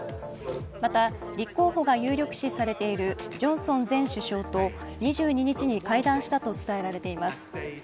また、立候補が有力視されているジョンソン前首相と２２日に会談したと伝えられています。